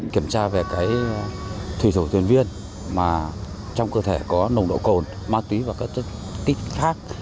kiểm tra về thủy thủ thuyền viên mà trong cơ thể có nồng độ cồn ma túy và các tích khác